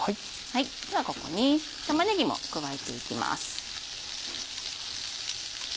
ではここに玉ねぎも加えていきます。